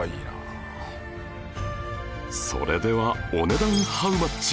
それではお値段ハウマッチ？